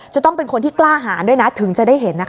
จะต้องเป็นคนที่กล้าหารด้วยนะถึงจะได้เห็นนะคะ